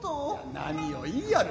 何を言やる。